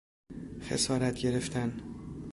خسارات گرفتن